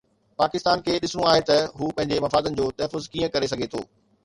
پاڪستان کي ڏسڻو آهي ته هو پنهنجي مفادن جو تحفظ ڪيئن ڪري سگهي ٿو.